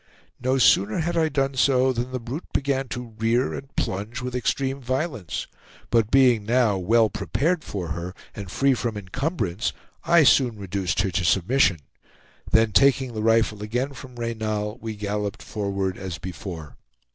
No sooner had I done so, than the brute began to rear and plunge with extreme violence; but being now well prepared for her, and free from incumbrance, I soon reduced her to submission. Then taking the rifle again from Reynal, we galloped forward as before.